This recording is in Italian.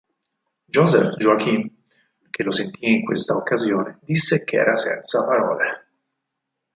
Joseph Joachim, che lo sentì in questa occasione, disse che era senza parole.